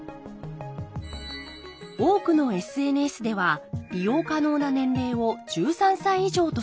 多くのＳＮＳでは利用可能な年齢を１３歳以上としています。